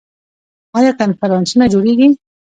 آیا کنفرانسونه جوړیږي؟